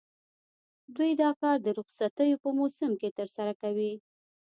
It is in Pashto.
دوی دا کار د رخصتیو په موسم کې ترسره کوي